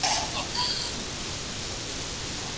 صالحه ميرمن د خپل خاوند سره همکاري کوي.